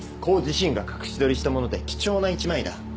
コウ自身が隠し撮りしたもので貴重な一枚だ。